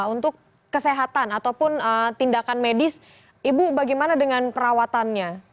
untuk kesehatan ataupun tindakan medis ibu bagaimana dengan perawatannya